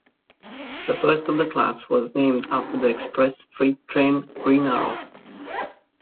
The first of the class was named after the express freight train "Green Arrow".